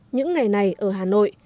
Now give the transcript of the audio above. những ngày này ở hà nội